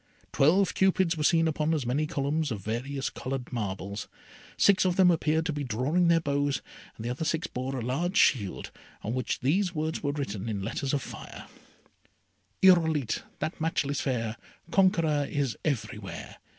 Twelve Cupids were seen upon as many columns of various coloured marbles. Six of them appeared to be drawing their bows, and the other six bore a large shield, on which these words were written in letters of fire: Irolite, that matchless fair! Conqueror is everywhere.